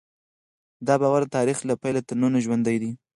دا باور د تاریخ له پیله تر ننه ژوندی دی.